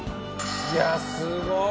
いやすごい！